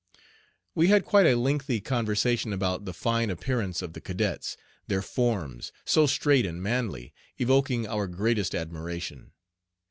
We had quite a lengthy conversation about the fine appearance of the cadets, their forms, so straight and manly, evoking our greatest admiration.